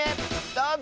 どうぞ！